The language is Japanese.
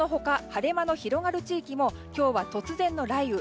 晴れ間の地域も今日は突然の雷雨。